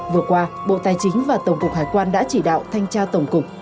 vừa qua bộ tài chính và tổng cục hải quan đã chỉ đạo thanh tra tổng cục